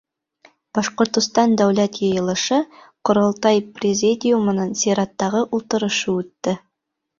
Башҡортостан Дәүләт Йыйылышы — Ҡоролтай Президиумының сираттағы ултырышы үтте.